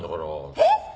えっ！？